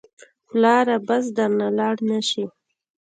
پلاره بس درنه لاړ نه شې.